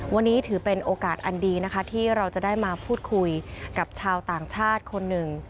วันนี้ถือเป็นโอกาสอันดีนะคะที่เราจะได้มาพูดคุยกับชาวต่างชาติคนหนึ่ง